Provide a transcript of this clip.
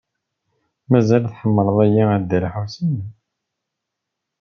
Mazal tḥemmleḍ-iyi a Dda Lḥusin?